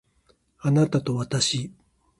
あなたとわたし